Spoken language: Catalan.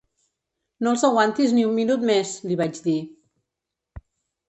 No els aguantis ni un minut més, li vaig dir.